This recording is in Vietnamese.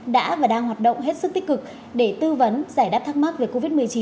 đã và đang hoạt động hết sức tích cực để tư vấn giải đáp thắc mắc về covid một mươi chín